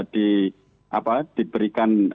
di apa diberikan